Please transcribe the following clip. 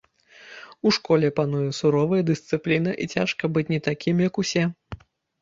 У школе пануе суровая дысцыпліна і цяжка быць не такім, як усе.